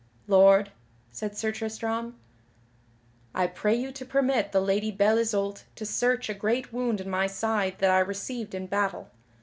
"Lord," said Sir Tristram, "I pray you to permit the Lady Belle Isoult to search a great wound in my side that I received in battle.